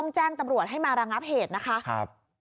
แจ้งตำรวจให้มาระงับเหตุนะคะ